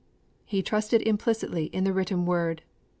_He trusted implicitly in the Written Word.